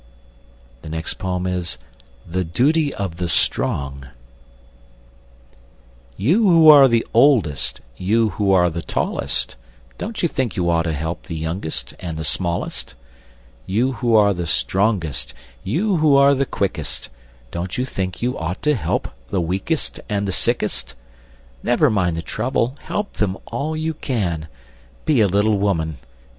[Illustration: The Duty of the Strong] THE DUTY OF THE STRONG You who are the oldest, You who are the tallest, Don't you think you ought to help The youngest and the smallest? You who are the strongest, You who are the quickest, Don't you think you ought to help The weakest and the sickest? Never mind the trouble, Help them all you can; Be a little woman!